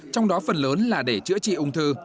trong đó phần lớn là để chữa trị ung thư